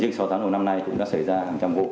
nhưng sáu tháng đầu năm nay cũng đã xảy ra hàng trăm vụ